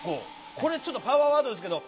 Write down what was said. これちょっとパワーワードですけど。